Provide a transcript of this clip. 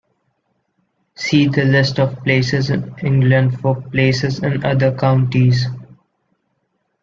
See the list of places in England for places in other counties.